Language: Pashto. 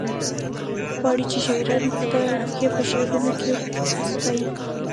غواړي چې شاعران یې په شعرونو کې وستايي.